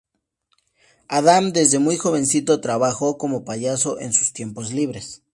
Adam desde muy jovencito trabajó como payaso en sus tiempos libres.